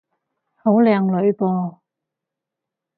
好靚女噃